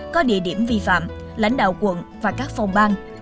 có địa điểm vi phạm lãnh đạo quận và các phòng bang